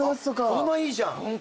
車いいじゃん。